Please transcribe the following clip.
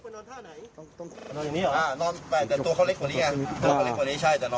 นอนอย่างนี้หรือนอนไปแต่ตัวเขาเล็กกว่านี้